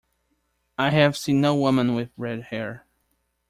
I have seen no woman with red hair.